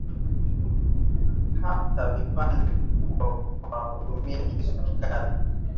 kata vipande vikubwa kwa kutumia kisu kikali